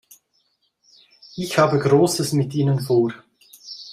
Ich habe Großes mit Ihnen vor.